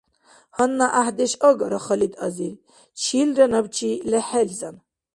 Гьанна гӀяхӀдеш агара, Халид-ази, чилра набчи лехӀелзан.